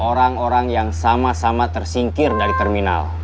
orang orang yang sama sama tersingkir dari terminal